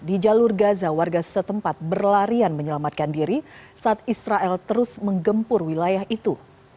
di jalur gaza warga setempat berlarian menyelamatkan diri saat israel terus menggempur wilayah itu